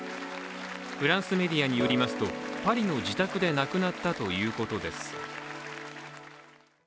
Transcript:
フランスメディアによりますとパリの自宅で亡くなったということです。